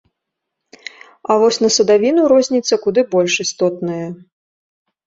А вось на садавіну розніца куды больш істотная.